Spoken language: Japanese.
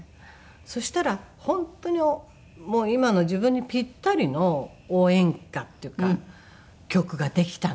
そしたら本当に今の自分にピッタリの応援歌っていうか曲ができたんです。